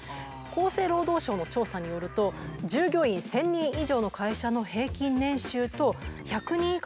厚生労働省の調査によると従業員１，０００人以上の会社の平均年収と１００人以下の会社の平均年収では